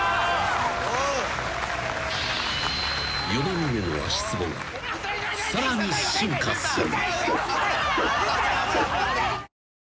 ［與那嶺の足つぼがさらに進化する］